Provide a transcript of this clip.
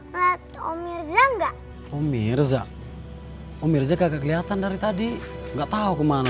hai om om mirza enggak om mirza om mirza kagak kelihatan dari tadi enggak tahu kemana